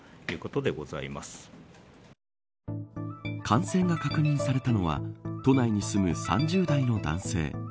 感染が確認されたのは都内に住む３０代の男性。